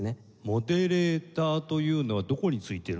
モデレーターというのはどこについているんですか？